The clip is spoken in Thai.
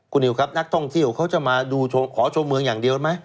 คุณนิวครับนักท่องเที่ยวเขาจะมาดูขอชมเมืองอย่างเดียวไหม